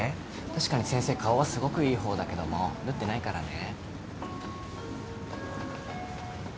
確かに先生顔はすごくいい方だけども縫ってないからね。